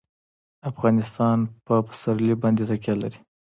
افغانستان په پسرلی باندې تکیه لري.